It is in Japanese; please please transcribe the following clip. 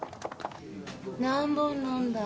何本飲んだ？